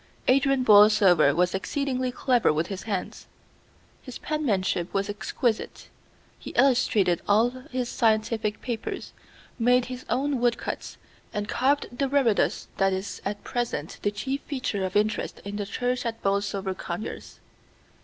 Adrian Borlsover was exceedingly clever with his hands. His penmanship was exquisite. He illustrated all his scientific papers, made his own woodcuts, and carved the reredos that is at present the chief feature of interest in the church at Borlsover Conyers.